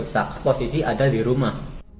satu posisi ada di rumah